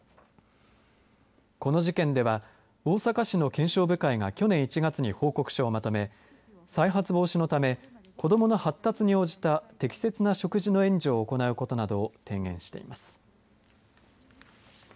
この事件では大阪市の検証部会が去年１月に報告書をまとめ再発防止のため子どもの発達に応じた適切な食事の援助を行うことなどを提言しています。